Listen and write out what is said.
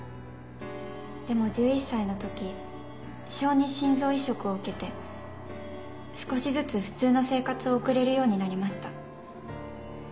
でも１１歳のとき小児心臓移植を受けて少しずつ普通の生活を送れるようになりました。